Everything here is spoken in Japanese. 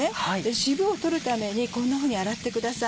渋を取るためにこんなふうに洗ってください。